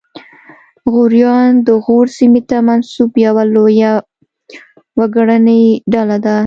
غوریان د غور سیمې ته منسوب یوه لویه وګړنۍ ډله ده